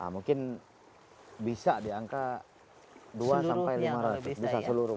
mungkin bisa di angka dua sampai lima